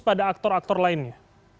pada aktor aktor lainnya